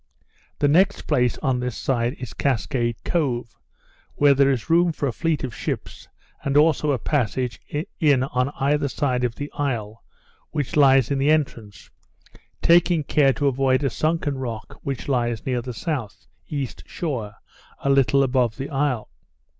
The next place, on this side, is Cascade Cove, where there is room for a fleet of ships, and also a passage in on either side of the isle, which lies in the entrance, taking care to avoid a sunken rock which lies near the south east shore, a little above the isle.